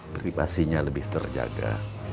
privasinya lebih terjaga